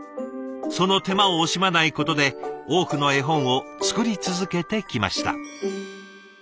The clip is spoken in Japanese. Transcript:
その手間を惜しまないことで多くの絵本を作り続けてきました。